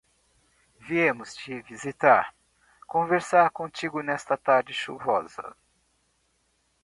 Viemos te visitar, conversar contigo nesta tarde chuvosa.